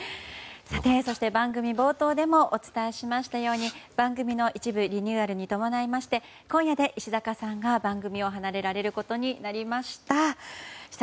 そして、番組冒頭でもお伝えしましたように番組の一部リニューアルに伴いまして今夜で石坂さんが番組を離れられることになりました。